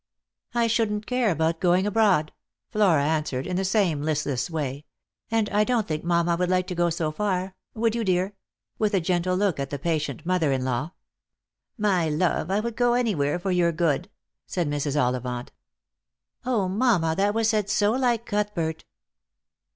"^" I shouldn't care about going abroad," Flora answered in the same listless way, " and I don't think mamma would like to go so far ; would you, dear ?" with a gentle look at the patient mother in law. " My love, I would go anywhere for your good," said Mrs. OUivant. " mamma, that was said so like Cuthbert